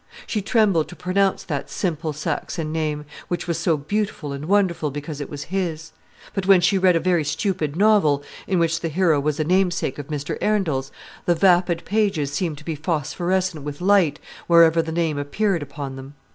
She trembled to pronounce that simple Saxon name, which was so beautiful and wonderful because it was his: but when she read a very stupid novel, in which the hero was a namesake of Mr. Arundel's, the vapid pages seemed to be phosphorescent with light wherever the name appeared upon them.